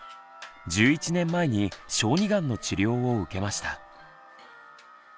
１１年前に小児がんの治療を受けました。